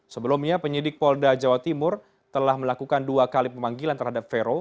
sebelumnya penyidik polda jawa timur telah melakukan dua kali pemanggilan terhadap vero